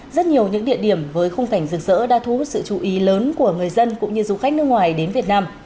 rất nhiều những địa điểm với khung cảnh rực rỡ đã thu hút sự chú ý lớn của người dân cũng như du khách nước ngoài đến việt nam